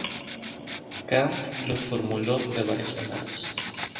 Kant lo formuló de varias maneras.